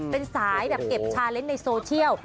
เป็นสายแบบเก็บชาเล่นในโซเชียล